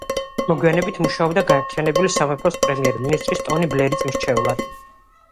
მოგვიანებით მუშაობდა გაერთიანებული სამეფოს პრემიერ-მინისტრის, ტონი ბლერის მრჩევლად.